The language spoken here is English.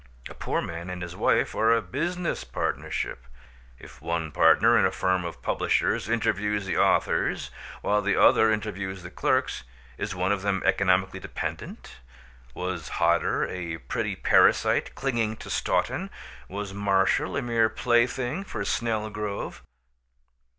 A poor man and his wife are a business partnership. If one partner in a firm of publishers interviews the authors while the other interviews the clerks, is one of them economically dependent? Was Hodder a pretty parasite clinging to Stoughton? Was Marshall a mere plaything for Snelgrove?